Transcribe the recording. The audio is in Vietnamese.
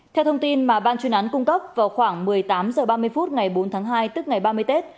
theo thông tin mà ban chuyên án cung cấp vào khoảng một mươi tám h ba mươi phút ngày bốn tháng hai tức ngày ba mươi tết